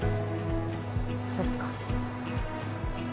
そっか。